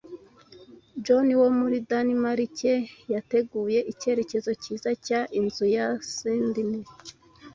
Jorn wo muri Danimarike yateguye icyerekezo cyiza cya Inzu ya Sydney